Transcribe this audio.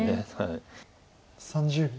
３０秒。